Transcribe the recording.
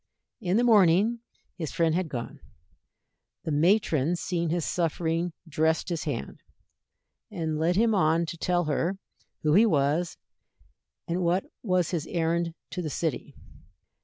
In the morning his friend had gone. The matron seeing his suffering dressed his hand, and led him on to tell her who he was and what was his errand to the city.